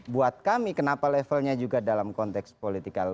buat kami kenapa levelnya juga dalam konteks politikal